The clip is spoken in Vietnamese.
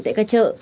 tại các chợ